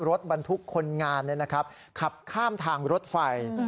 รถบรรทุกคนงานขับข้ามทางรถไฟ